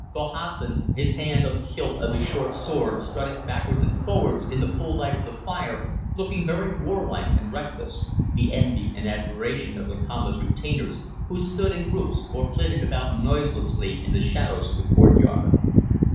Bahassoen, his hand on the hilt of his short sword, strutted backwards and forwards in the full light of the fire, looking very warlike and reckless; the envy and admiration of Lakamba's retainers, who stood in groups or flitted about noiselessly in the shadows of the courtyard.